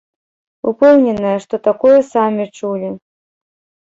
Упэўненая, што такое самі чулі.